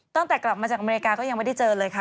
ตั้งแต่กลับมาจากอเมริกาก็ยังไม่ได้เจอเลยค่ะ